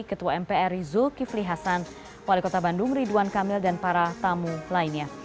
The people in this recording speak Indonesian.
ketua mpr zulkifli hasan wali kota bandung ridwan kamil dan para tamu lainnya